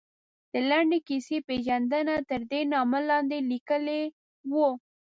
د لنډې کیسې پېژندنه، تردې نامه لاندې یې لیکلي وو.